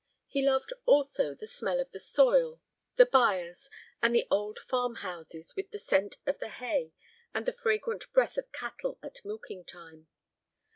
He loved, also, the smell of the soil, the byres, and the old farm houses with the scent of the hay and the fragrant breath of cattle at milking time.